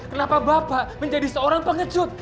kenapa bapak menjadi seorang pengecut